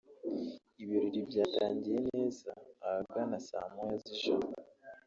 Ibirori byatangiye neza ahagana saa moya z’ijoro